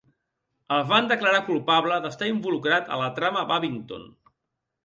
El van declarar culpable d'estar involucrat a la trama Babington.